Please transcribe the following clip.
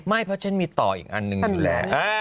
ไม่เพราะฉันมีต่ออีกอันนึงนึงเลย